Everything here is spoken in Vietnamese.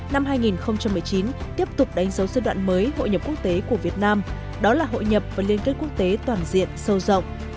năm hai nghìn một mươi chín tiếp tục đánh dấu giai đoạn mới hội nhập quốc tế của việt nam đó là hội nhập và liên kết quốc tế toàn diện sâu rộng